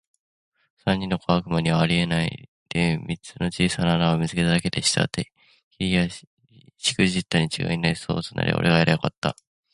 三人の小悪魔にはあえないで、三つの小さな穴を見つけただけでした。「てっきりやりしくじったにちがいない。そうとすりゃおれがやりゃよかった。」